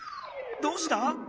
どうした？